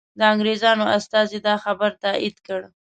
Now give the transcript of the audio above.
د انګریزانو استازي دا خبر تایید کړ.